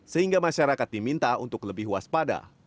sehingga masyarakat diminta untuk lebih waspada